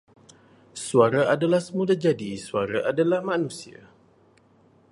Suara adalah semulajadi, suara adalah manusia.